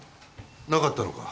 なかったのか？